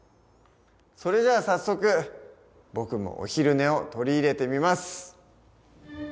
それじゃあ早速僕もお昼寝を取り入れてみます。